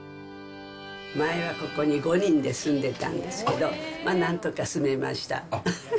前はここに５人で住んでたんですけど、なんとか住めました。